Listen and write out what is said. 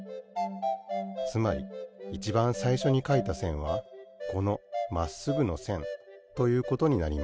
つまりいちばんさいしょにかいたせんはこのまっすぐのせんということになります。